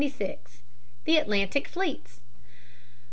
] 476. The Atlantic Fleets.